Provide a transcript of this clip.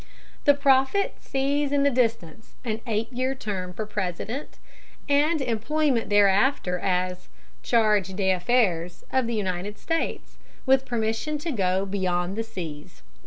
The prophet sees in the distance an eight year term for the President, and employment thereafter as "charge d'affaires" of the United States, with permission to go beyond the seas.